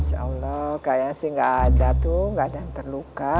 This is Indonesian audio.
insya allah kayaknya sih nggak ada tuh nggak ada yang terluka